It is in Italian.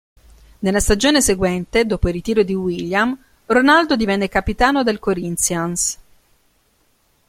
Nella stagione seguente, dopo il ritiro di William, Ronaldo divenne capitano del Corinthians.